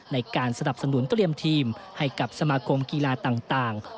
ในการสนับสนุนเตรียมทีมให้กับสมาคมกีฬาต่าง